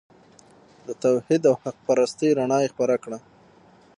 د توحید او حق پرستۍ رڼا خپره کړه.